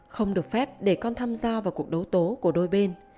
không được phép để con tham gia vào cuộc đấu tố của đôi bên